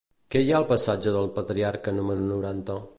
Què hi ha al passatge del Patriarca número noranta?